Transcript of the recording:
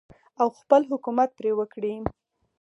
او خپل حکومت پرې وکړي.